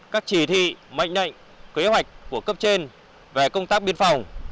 các chỉ thị mạnh nhạy kế hoạch của cấp trên về công tác biên phòng